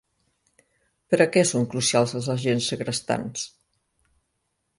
Per a què són crucials els agents segrestants?